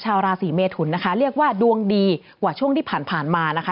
ชาวราศีเมทุนนะคะเรียกว่าดวงดีกว่าช่วงที่ผ่านมานะคะ